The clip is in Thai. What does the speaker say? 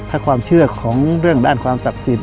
ถ้าความเชื่อของเรื่องด้านความศักดิ์สิทธิ